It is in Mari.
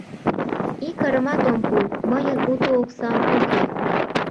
Ик ырымат ом пу: мыйын уто оксам уке.